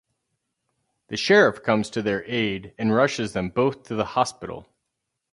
The sheriff comes to their aid and rushes them both to the hospital.